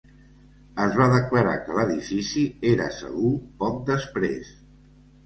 Es va declarar que l'edifici era segur poc després.